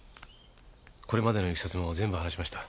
これまでの経緯も全部話しました。